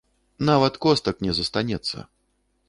Нават костак не застанецца!